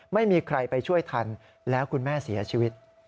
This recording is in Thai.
ไม่มีใครไปช่วยทันแล้วคุณแม่เสียชีวิต